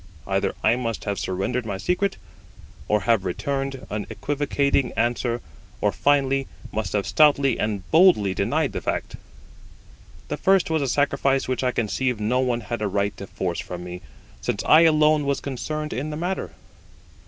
Either I must have surrendered my secret, or have returned an equivocating answer, or, finally, must have stoutly and boldly denied the fact. The first was a sacrifice which I conceive no one had a right to force from me, since I alone was concerned in the matter.